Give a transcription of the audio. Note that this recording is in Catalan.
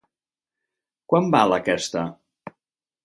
Quant val aquesta??